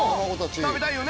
食べたいよね？